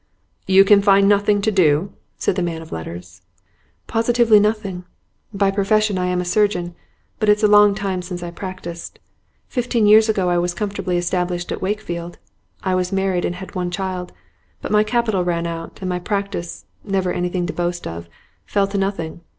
'You can find nothing to do?' said the man of letters. 'Positively nothing. By profession I am a surgeon, but it's a long time since I practised. Fifteen years ago I was comfortably established at Wakefield; I was married and had one child. But my capital ran out, and my practice, never anything to boast of, fell to nothing.